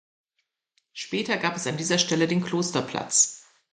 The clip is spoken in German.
Später gab es an dieser Stelle den "Klosterplatz".